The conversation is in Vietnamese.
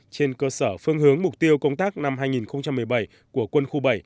trên cơ sở phương hướng mục tiêu công tác năm hai nghìn một mươi bảy của quân khu bảy